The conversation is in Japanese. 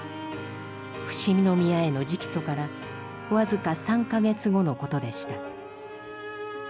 伏見宮への直訴から僅か３か月後の事でした。